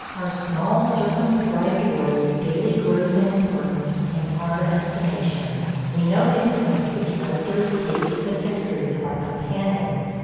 Our small, circumscribed world daily grows in importance in our estimation. We know intimately the characters, tastes, and histories of our companions.